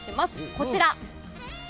こちら。